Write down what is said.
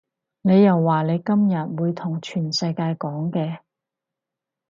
你又話你今日會同全世界講嘅